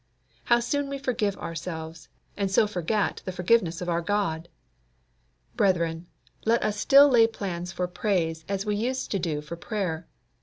How soon we forgive ourselves, and so forget the forgiveness of our God! Brethren, let us still lay plans for praise as we used to do for prayer.